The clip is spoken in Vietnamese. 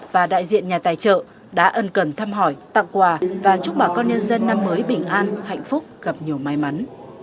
và đại diện nhà tài trợ đã ân cần thăm hỏi tặng quà và chúc bà con nhân dân năm mới bình an hạnh phúc gặp nhiều may mắn